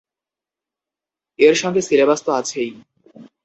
এর সঙ্গে সিলেবাস তো আছেই।